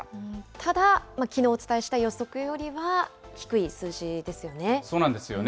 ただ、きのうお伝えした予測よりは低い数字ですよね。